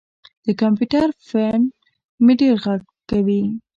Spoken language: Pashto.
د کمپیوټر فین مې ډېر غږ کوي.